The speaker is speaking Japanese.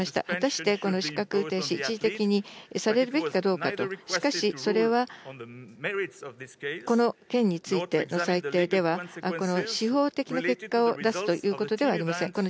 果たしてこの資格停止、一時的にされるべきかどうかと、しかしそれは、この件についての裁定では、この司法的な結果を出すということではありません。